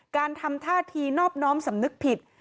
การทำท่าทีนอบน้อมสำนึกผิด